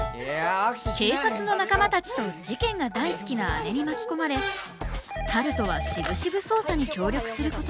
警察の仲間たちと事件が大好きな姉に巻き込まれ春風はしぶしぶ捜査に協力することに。